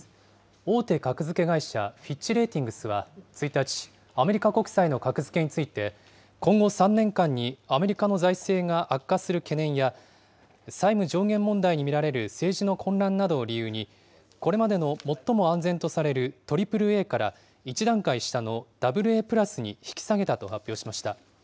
大手格付け会社、フィッチ・レーティングスは１日、アメリカ国債の格付けについて、今後３年間にアメリカの財政が悪化する懸念や、債務上限問題に見られる政治の混乱などを理由に、これまでの最も安全とされるＡＡＡから１段階下のＡＡプラスに引き下げたと発表しました。